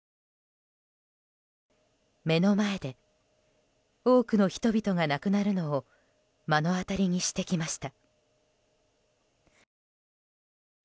目の前で多くの人々が亡くなるのを目の当たりにしてきました。